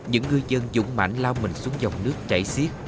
những người dân dũng mạnh lao mình xuống dòng nước chảy xiếc